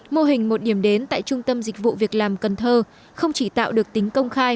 mô hình một điểm đến tại trung tâm dịch vụ việc làm cần thơ không chỉ tạo được tính công khai